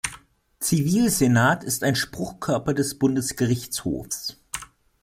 Zivilsenat ist ein Spruchkörper des Bundesgerichtshofs.